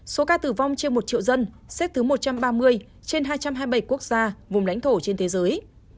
số ca tử vong trên một triệu dân xếp thứ một trăm ba mươi trên hai trăm hai mươi bảy quốc gia vùng lãnh thổ trên thế giới